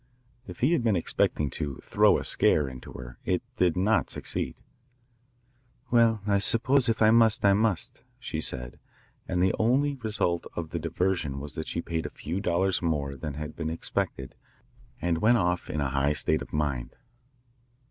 If he had been expecting to "throw a scare "into her, it did not succeed. "Well, I suppose if I must, I must," she said, and the only result of the diversion was that she paid a few dollars more than had been expected and went off in a high state of mind.